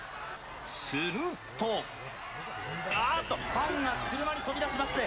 ファンが飛び出しました。